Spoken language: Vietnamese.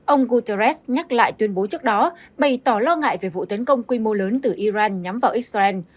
ông guterres nhắc lại tuyên bố trước đó bày tỏ lo ngại về vụ tấn công quy mô lớn từ iran nhắm vào israel